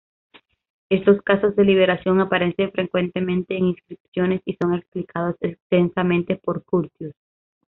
Estos casos de liberación aparecen frecuentemente en inscripciones, y son explicados extensamente por Curtius.